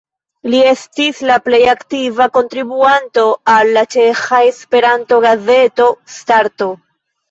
Li estis la plej aktiva kontribuanto al la ĉeĥa Esperanto-gazeto Starto.